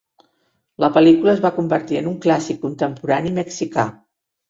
La pel·lícula es va convertir en un clàssic contemporani mexicà.